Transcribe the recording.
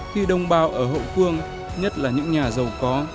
khi đồng bào ở hậu phương nhất là những nhà giàu có